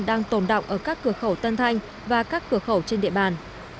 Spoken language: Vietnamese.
đang tồn động ở các cửa khẩu tân thanh và các cửa khẩu trên địa bàn